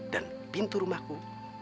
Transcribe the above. dan pintu rumahku